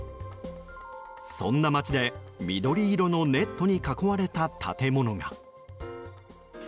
そんな町で緑色のネットに囲われた建物が。